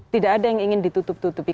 tidak ada yang ingin ditutup tutupi